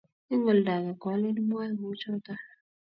Eng oldo age kwalin imwae kouchoto